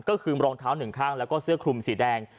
ก็คือรองเท้าหนึ่งข้างแล้วก็เสื้อคลุมสีแดง